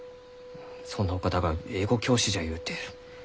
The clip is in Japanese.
そんなお方が英語教師じゃゆうてのう。